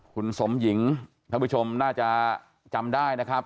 คุณสมหญิงคุณชนาจะจำได้นะค่ะ